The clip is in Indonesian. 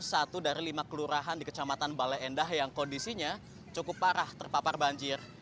satu dari lima kelurahan di kecamatan bale endah yang kondisinya cukup parah terpapar banjir